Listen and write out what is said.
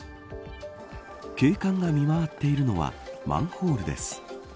警官が見回っているのはマンホールです。